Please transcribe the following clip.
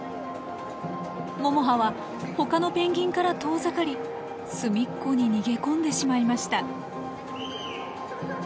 ももははほかのペンギンから遠ざかり隅っこに逃げ込んでしまいました。